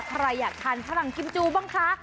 ใครอยากทานฝรั่งกิมจูบ้างคะ